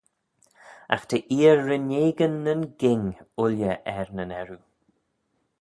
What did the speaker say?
Agh ta eer rinneigyn nyn ging ooilley er nyn earroo.